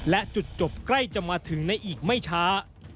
และจุดจบใกล้จะมาถึงในอีกไม่ช้า